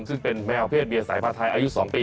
ซึ่งเป็นแมวเพศเบียดหัวสายภาษาไทยอายุ๒ปี